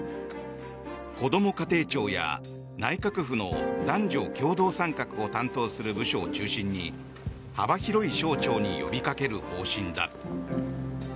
こども家庭庁や内閣府の男女共同参画を担当する部署を中心に幅広い省庁に呼びかける方針だ。